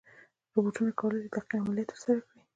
روبوټونه کولی شي دقیق عملیات ترسره کړي.